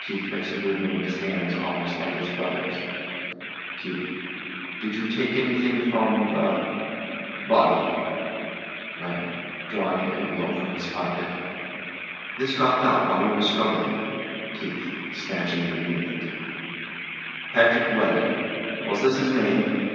[KEITH makes a movement of his hands almost like his brother's.] KEITH. Did you take anything from the body? LARRY. [Drawing au envelope from his pocket] This dropped out while we were struggling. KEITH. [Snatching it and reading] "Patrick Walenn" Was that his name?